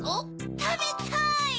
たべたい！